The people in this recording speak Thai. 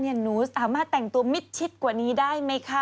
หนูสามารถแต่งตัวมิดชิดกว่านี้ได้ไหมคะ